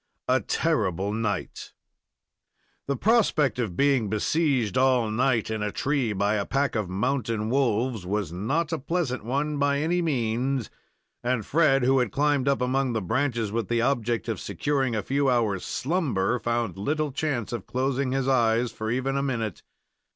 A TERRIBLE NIGHT The prospect of being besieged all night in a tree by a pack of mountain wolves was not a pleasant one by any means, and Fred, who had climbed up among the branches with the object of securing a few hours' slumber, found little chance of closing his eyes for even a minute.